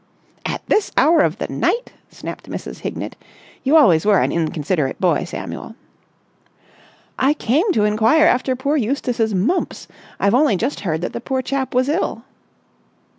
"At this hour of the night!" snapped Mrs. Hignett. "You always were an inconsiderate boy, Samuel." "I came to inquire after poor Eustace's mumps. I've only just heard that the poor chap was ill."